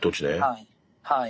はいはい。